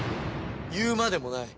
言うまでもない。